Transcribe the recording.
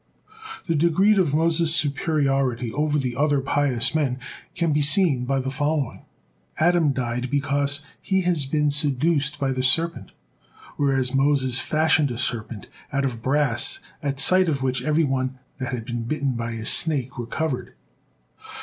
The degreed of Moses' superiority over the other pious men can be seen by following. Adam died because he has been seduced by the serpent, whereas Moses fashioned a serpent out of brass at sight of which everyone that had been bitten by a snake recovered.